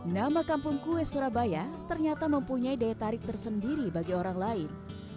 nama kampung kue surabaya ternyata mempunyai daya tarik tersendiri bagi orang lain